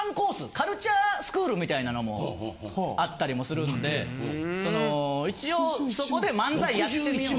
カルチャースクールみたいなのもあったりもするんで一応そこで漫才やってみよう。